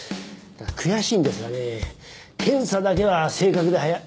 悔しいんですがねぇ検査だけは正確ではや。